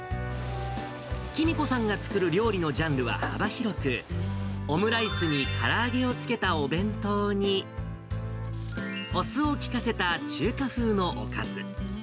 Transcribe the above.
喜美子さんが作る料理のジャンルは幅広く、オムライスにから揚げをつけたお弁当に、お酢を効かせた中華風のおかず。